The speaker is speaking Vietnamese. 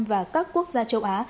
và các quốc gia châu á